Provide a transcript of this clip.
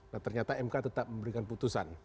nah ternyata mk tetap memberikan putusan